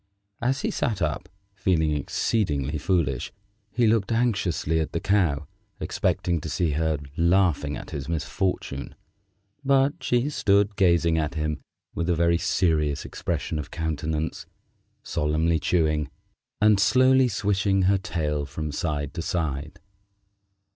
As he sat up, feeling exceedingly foolish, he looked anxiously at the Cow, expecting to see her laughing at his misfortune, but she stood gazing at him with a very serious expression of countenance, solemnly chewing, and slowly swishing her tail from side to side.